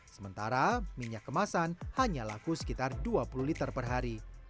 sementara minyak kemasan hanya laku sekitar dua puluh liter per hari